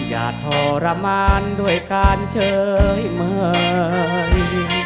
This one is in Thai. อย่าทรมานด้วยการเฉยเมือง